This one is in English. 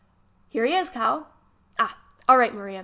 "Here he is, Cal." "Ah! All right, Maria."